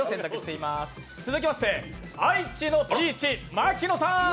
続きまして愛知のピーチ、牧野さん。